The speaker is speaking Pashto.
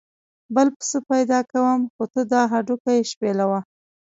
بل پسه پیدا کوم خو ته دا هډوکي شپېلوه.